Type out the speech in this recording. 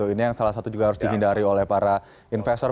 ini yang salah satu juga harus dihindari oleh para investor